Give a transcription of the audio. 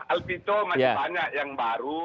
hal itu masih banyak yang baru